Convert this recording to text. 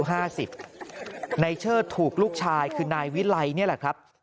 นายเชิดถูกลูกชายคือนายวิไลนี่แหละครับ